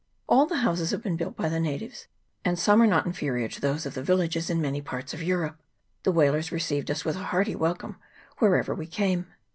All the houses have been built by the natives, and some are not inferior to those of the villages in many parts of Europe. The whalers received us with a hearty welcome wherever we came.